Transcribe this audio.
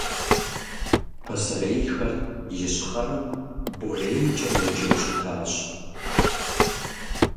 Пасэрейхэр ищхъэрэм БорейкӀэ еджэу щытащ.